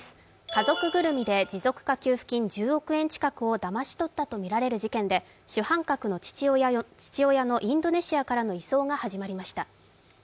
家族ぐるみで持続化給付金１０億円近くをだまし取ったとみられる事件で主犯格の父親のインドネシアからの移送が始まりました。